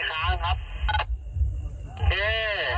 ได้นะคะเรียนมา